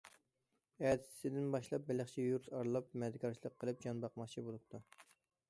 ئەتىسىدىن باشلاپ بېلىقچى يۇرت ئارىلاپ مەدىكارچىلىق قىلىپ جان باقماقچى بولۇپتۇ.